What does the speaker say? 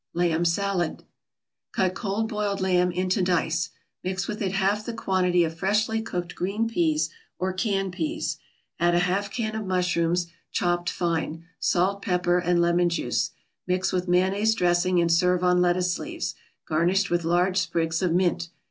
LAMB SALAD Cut cold boiled lamb into dice, mix with it half the quantity of freshly cooked green peas or canned peas. Add a half can of mushrooms, chopped fine, salt, pepper and lemon juice. Mix with mayonnaise dressing and serve on lettuce leaves, garnished with large sprigs of mint.